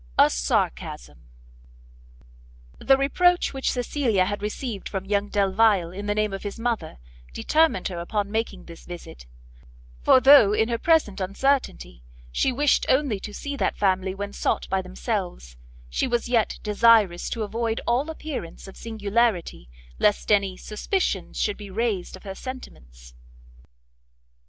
A SARCASM. The reproach which Cecilia had received from young Delvile in the name of his mother, determined her upon making this visit; for though, in her present uncertainty, she wished only to see that family when sought by themselves, she was yet desirous to avoid all appearance of singularity, lest any suspicions should be raised of her sentiments.